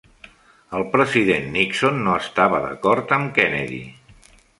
El president Nixon no estava d'acord amb Kennedy.